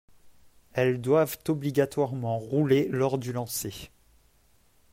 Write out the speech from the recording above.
Elles doivent obligatoirement rouler lors du lancer.